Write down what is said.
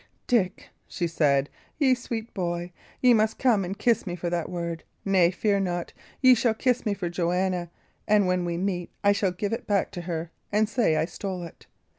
"Dick," she said, "ye sweet boy, ye must come and kiss me for that word. Nay, fear not, ye shall kiss me for Joanna; and when we meet, I shall give it back to her, and say I stole it.